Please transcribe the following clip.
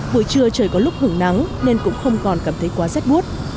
buổi trưa trời có lúc hưởng nắng nên cũng không còn cảm thấy quá rét buốt